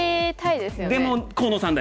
でも河野さんだよ？